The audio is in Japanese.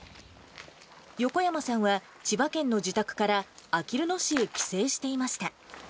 横山さんは千葉県の自宅からあきる野市へ帰省していました。